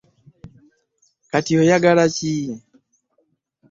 Kati oyagala ki?